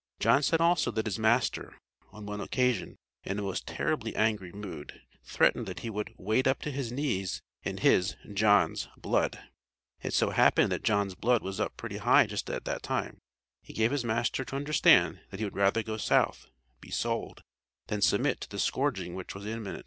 John said also that his master, on one occasion, in a most terribly angry mood, threatened that he would "wade up to his knees in his (John's) blood." It so happened that John's blood was up pretty high just at that time; he gave his master to understand that he would rather go South (be sold) than submit to the scourging which was imminent.